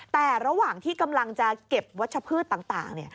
แต่ระหว่างที่กำลังจะเก็บวัชพืชต่าง